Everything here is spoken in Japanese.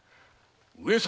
上様。